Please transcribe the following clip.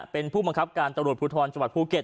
เป็นผู้บังคับการตำรวจภูทรจังหวัดภูเก็ต